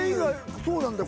そうなんだよ